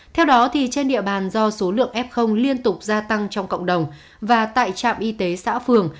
theo đó trên địa bàn do số lượng f liên tục gia tăng trong cộng đồng và tại trạm y tế xã phường